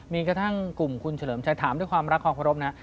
มีกระทั่งกลุ่มคุณเฉลิมชัยถามด้วยความรักความเคารพนะ